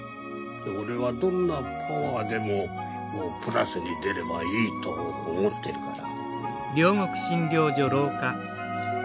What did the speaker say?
俺はどんなパワーでもプラスに出ればいいと思ってるから。